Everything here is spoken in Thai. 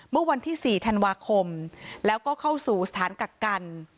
เมื่อวันที่๔ธันวาคมแล้วก็เข้าสู่สถานกักกัน